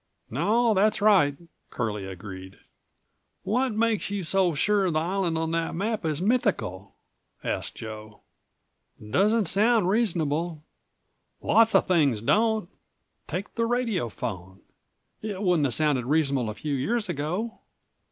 "No, that's right," Curlie agreed. "What makes you so sure the island on that map is mythical?" asked Joe. "Doesn't sound reasonable." "Lots of things don't. Take the radiophone; it wouldn't have sounded reasonable a few years172 ago.